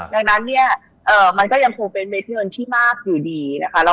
ดังนั้นมันก็ยังคงเป็นเงินที่มากอยู่ดี